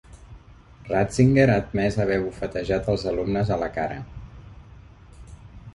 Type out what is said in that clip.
Ratzinger ha admès haver bufetejat els alumnes a la cara.